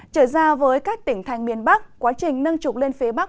trở ra với các tỉnh thanh miên bắc quá trình nâng trục lên phía bắc